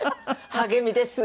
励みです。